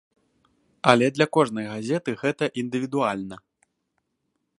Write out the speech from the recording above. Але для кожнай газеты гэта індывідуальна.